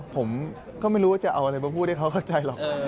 ผมก็ไม่รู้ว่าจะเอาอะไรมาพูดให้เขาเข้าใจหรอก